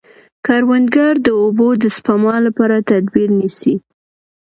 کروندګر د اوبو د سپما لپاره تدابیر نیسي